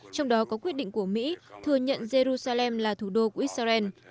trong đó có quyết định của mỹ thừa nhận jerusalem là thủ đô của israel